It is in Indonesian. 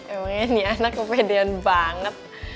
emangnya nih anak kepedean banget